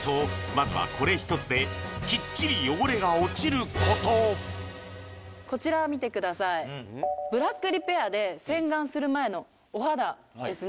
まずはこれ一つでキッチリ汚れが落ちることこちら見てくださいブラックリペアで洗顔する前のお肌ですね